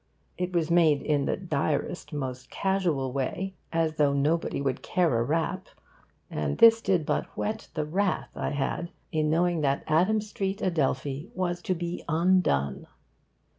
It was made in the driest, most casual way, as though nobody would care a rap; and this did but whet the wrath I had in knowing that Adam Street, Adelphi, was to be undone.